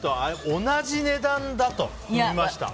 同じ値段だと言いました。